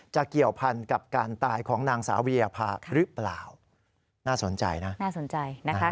เกี่ยวพันกับการตายของนางสาววิยภาหรือเปล่าน่าสนใจนะน่าสนใจนะคะ